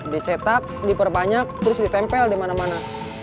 dicetak diperbanyak terus ditempel dimana mana